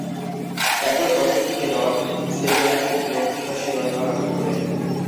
একই বছর তিনি রড সেকেনানের বিপক্ষে তার শিরোপা রক্ষা করেন।